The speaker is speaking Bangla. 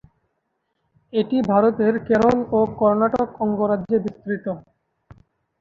এটি ভারতের কেরল ও কর্ণাটক অঙ্গরাজ্যে বিস্তৃত।